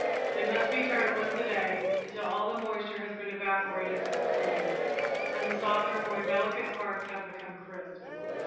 They must be turned once a day until all the moisture has been evaporated from the leaves and the softer, more delicate parts have become crisp.